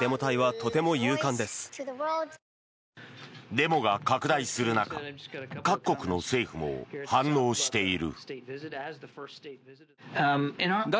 デモが拡大する中各国の政府も反応している。